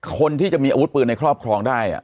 คนที่จะมีอาวุธปืนในครอบครองได้